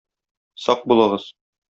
Сак булыгыз.